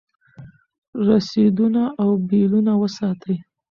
رسیدونه او بیلونه وساتئ.